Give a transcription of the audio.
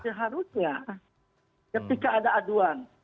seharusnya ketika ada aduan